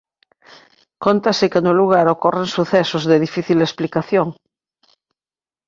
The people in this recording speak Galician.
Cóntase que no lugar ocorren sucesos de difícil explicación.